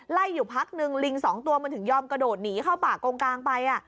อยู่พักนึงลิงสองตัวมันถึงยอมกระโดดหนีเข้าป่ากงกลางไป